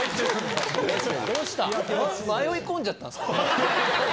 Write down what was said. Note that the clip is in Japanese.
迷い込んじゃったんですかね。